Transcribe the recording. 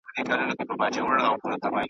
ملتونه د یووالي له لارې قوي کېږي.